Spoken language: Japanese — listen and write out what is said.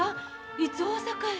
いつ大阪へ？